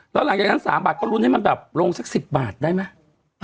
แล้วหลังจากนั้น๓บาทก็ลุ้นให้มันแบบลงสัก๑๐บาทได้ไหม